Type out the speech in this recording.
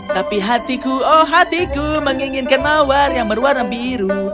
tapi hatiku oh hatiku menginginkan mawar yang berwarna biru